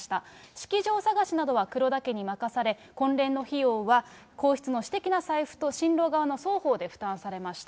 式場探しなどは黒田家に任され、婚礼の費用は皇室の私的な財布と新郎側の双方で負担されました。